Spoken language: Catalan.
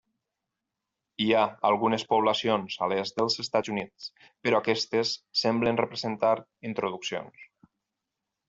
Hi ha algunes poblacions a l'est dels Estats Units, però aquestes semblen representar introduccions.